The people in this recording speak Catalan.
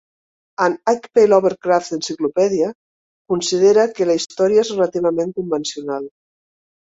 "An H. P. Lovecraft Encyclopedia" considera que la història és "relativament convencional".